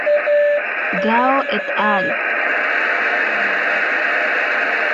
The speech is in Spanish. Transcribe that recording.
Gao et al.